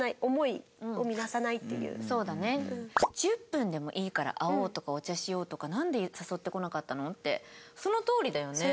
「１０分でもいいから会おうとかお茶しようとかなんで誘ってこなかったの？」ってそのとおりだよね。